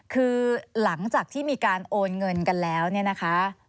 คือหลังจากที่มีการโอนเงินกันแล้วเนี่ยนะคะ